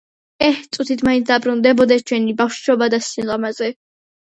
ეჰ წუთით მაინც დაბრუნდებოდეს ჩვენი ბავშვობა და სილამაზე